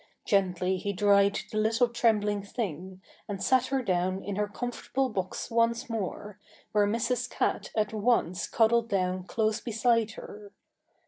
Gently he dried the little trembling thing, and sat her down in her comfortable box once more, where Mrs. Cat at once cuddled down close beside her.